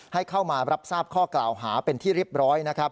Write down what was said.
ให้เข้ามารับทราบข้อกล่าวหาเป็นที่เรียบร้อยนะครับ